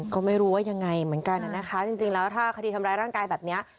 ก็ไม่รู้ว่ายังไงเหมือนกันนะคะจริงแล้วถ้าคดีทำร้ายร่างกายแบบนี้